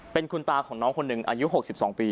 เป็นคุณตาของน้องคนหนึ่งอายุ๖๒ปี